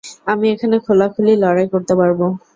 আমি এখানে খোলাখুলি লড়াই করতে পারব!